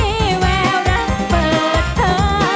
แววรักเปิดเธอ